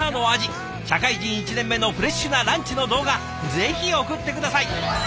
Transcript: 社会人１年目のフレッシュなランチの動画ぜひ送って下さい！